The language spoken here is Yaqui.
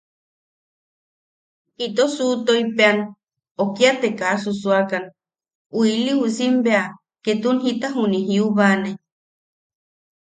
Ito suʼutoipean, o kia te kaa susuakan, u iliusim bea ketun jita juniʼi jiubane.